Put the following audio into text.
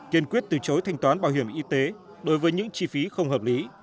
kiên quyết từ chối thanh toán bảo hiểm y tế đối với những chi phí không hợp lý